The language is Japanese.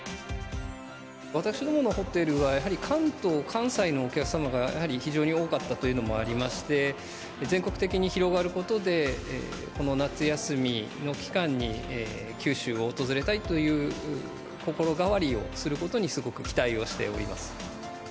私どものホテルはやはり関東、関西のお客様がやはり非常に多かったというのもありまして、全国的に広がることで、この夏休みの期間に、九州を訪れたいという心変わりをすることに、すごく期待をしております。